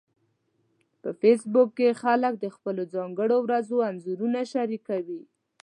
په فېسبوک کې خلک د خپلو ځانګړو ورځو انځورونه شریکوي